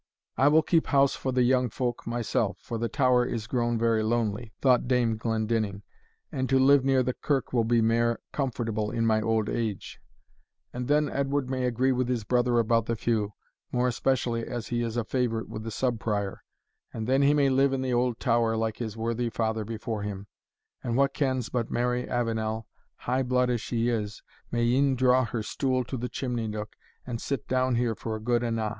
"I will keep house for the young folk myself, for the tower is grown very lonely," thought Dame Glendinning, "and to live near the kirk will be mair comfortable in my auld age and then Edward may agree with his brother about the feu, more especially as he is a favourite with the Sub Prior, and then he may live in the auld tower like his worthy father before him and wha kens but Mary Avenel, high blood as she is, may e'en draw in her stool to the chimney nook, and sit down here for good and a'?